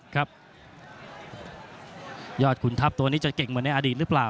ยอดขุนทัพตัวนี้จะเก่งเหมือนในอดีตหรือเปล่า